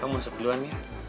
kamu sepuluhan ya